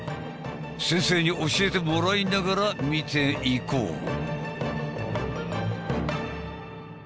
先生に教えてもらいながら見ていこう。